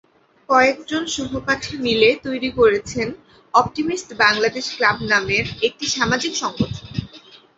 কয়েকজন সহপাঠী মিলে তৈরি করেছেন অপটিমিস্ট বাংলাদেশ ক্লাব নামের একটি সামাজিক সংগঠন।